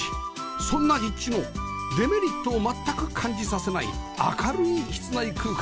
そんな立地のデメリットを全く感じさせない明るい室内空間